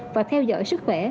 và theo dõi sức khỏe